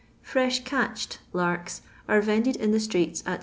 " Fre«h catched" larks arc vended in the streeu at 6d.